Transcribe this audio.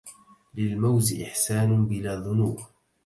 للموز إحسان بلا ذنوب